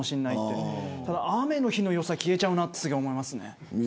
でも雨の日の良さ消えちゃうなって思います。